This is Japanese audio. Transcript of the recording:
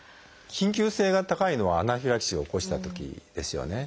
緊急性が高いのはアナフィラキシーを起こしたときですよね。